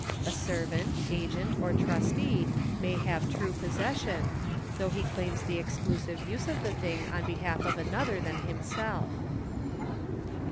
A servant, agent, or trustee may have true possession, though he claims the exclusive use of the thing on behalf of another than himself.